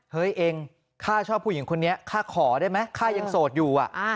เฮ้ยเองข้าชอบผู้หญิงคนนี้ข้าขอได้ไหมข้ายังโสดอยู่